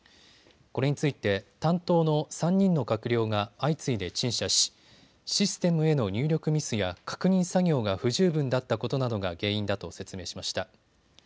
これについて担当の３人の閣僚が相次いで陳謝しシステムへの入力ミスや確認作業が不十分だったことなどが原因だと説明しました。